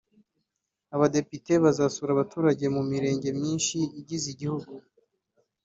Abadepite bazasura abaturage mu Mirenge myinshi igize igihugu